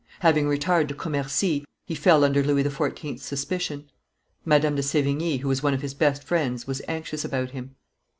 Having retired to Commercy, he fell under Louis XIV.'s suspicion. Madame de Sevigne, who was one of his best friends, was anxious about him.